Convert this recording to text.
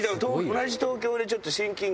同じ東京でちょっと親近感。